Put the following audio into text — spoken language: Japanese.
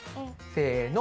せの。